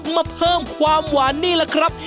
มาเพิ่มความหวานนี่แหละครับ